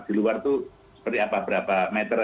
di luar itu seperti apa berapa meter